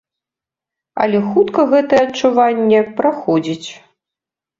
Але хутка гэтае адчуванне праходзіць.